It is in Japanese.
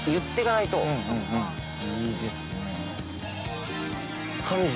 ◆いいですねー。